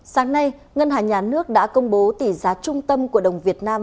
sáng nay ngân hàng nhà nước đã công bố tỷ giá trung tâm của đồng việt nam